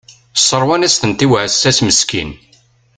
Sseṛwan-as-tent i uɛessas meskin.